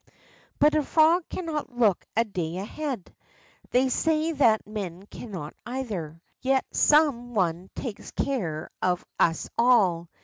But a frog cannot look a day ahead. They say that men cannot, either. Yet some One takes care of us all.